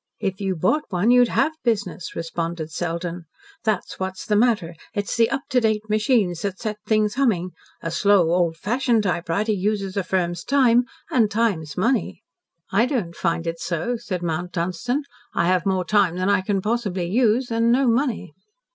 "If you bought one you'd HAVE business," responded Selden. "That's what's the matter. It's the up to date machines that set things humming. A slow, old fashioned typewriter uses a firm's time, and time's money." "I don't find it so," said Mount Dunstan. "I have more time than I can possibly use and no money."